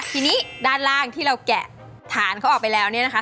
ทีนี้ด้านล่างที่เราแกะฐานเขาออกไปแล้วเนี่ยนะคะ